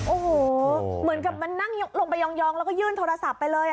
โอ้โหเหมือนกับมันนั่งลงไปยองแล้วก็ยื่นโทรศัพท์ไปเลย